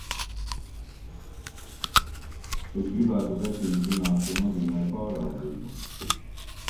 Es gribētu precīzi zināt, ko nozīmē pārraudzība.